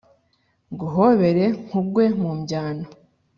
Nguhobere nkugwe mu byano